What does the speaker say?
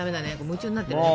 夢中になってるね。